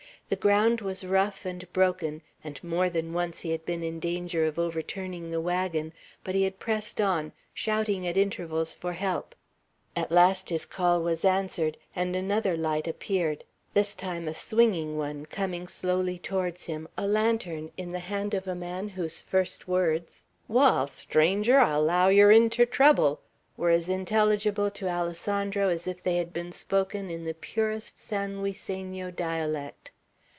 The ground was rough and broken, and more than once he had been in danger of overturning the wagon; but he had pressed on, shouting at intervals for help. At last his call was answered, and another light appeared; this time a swinging one, coming slowly towards him, a lantern, in the hand of a man, whose first words, "Wall, stranger, I allow yer inter trouble," were as intelligible to Alessandro as if they had been spoken in the purest San Luiseno dialect.